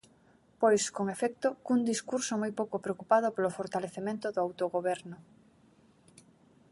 Pois, con efecto, cun discurso moi pouco preocupado polo fortalecemento do autogoberno.